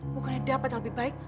bukannya dapat yang lebih baik